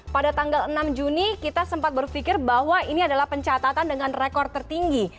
pada tanggal enam juni kita sempat berpikir bahwa ini adalah pencatatan dengan rekor tertinggi